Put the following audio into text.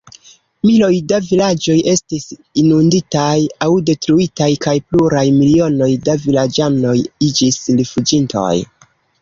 Miloj da vilaĝoj estis inunditaj aŭ detruitaj kaj pluraj milionoj da vilaĝanoj iĝis rifuĝintoj.